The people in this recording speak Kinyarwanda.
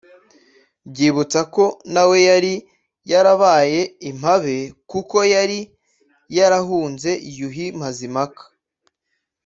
byibutsa ko na we yari yarabaye impabe kuko yari yarahunze Yuhi Mazimpaka,